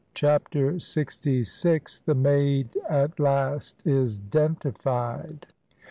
CHAPTER LXVI THE MAID AT LAST IS "DENTIFIED."